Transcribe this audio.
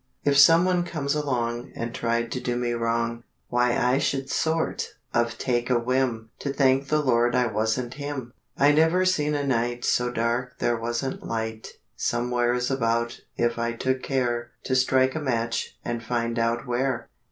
If some one come along, And tried to do me wrong, Why I should sort of take a whim To thank the Lord I wasn't him. I never seen a night So dark there wasn't light Somewheres about if I took care To strike a match and find out where.